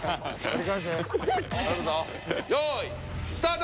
よいスタート！